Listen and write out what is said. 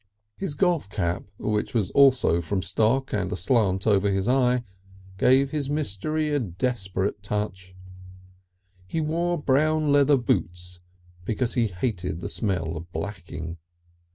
His golf cap, which was also from stock and aslant over his eye, gave his misery a desperate touch. He wore brown leather boots because he hated the smell of blacking.